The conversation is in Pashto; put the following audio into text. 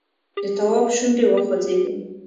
د تواب شونډې وخوځېدې!